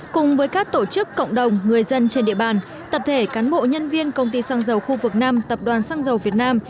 cùng với các tổ chức cộng đồng người dân trên địa bàn tập thể cán bộ nhân viên công ty xăng dầu khu vực nam tập đoàn xăng dầu việt nam